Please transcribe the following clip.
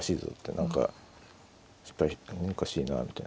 何か失敗おかしいなみたいな。